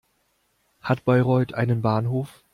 Hat Bayreuth einen Bahnhof?